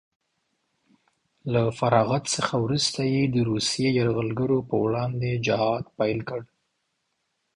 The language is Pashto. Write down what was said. له فراغت څخه وروسته یې د روسیې یرغلګرو په وړاندې جهاد پیل کړ